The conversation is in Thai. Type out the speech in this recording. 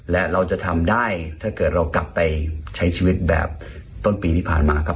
และเราจะทำได้ถ้าเกิดเรากลับไปใช้ชีวิตแบบต้นปีที่ผ่านมาครับ